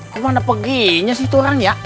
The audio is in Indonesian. kemana peginya sih itu orang ya